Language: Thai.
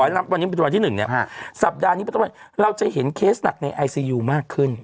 วันนี้เป็นวันที่๑เนี่ยสัปดาห์นี้เป็นต้นไปเราจะเห็นเคสหนักในไอซียูมากขึ้น